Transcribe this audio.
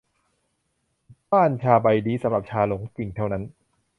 ป้านชาใบนี้สำหรับชาหลงจิ่งเท่านั้น